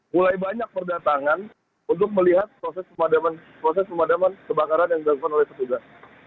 mulai banyak berdatangan untuk melihat proses pemadaman kebakaran yang dilakukan oleh petugas